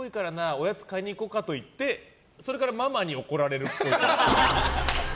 おやつ買いに行こうかといってそれからママに怒られるっぽい。